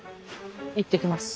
行ってきます。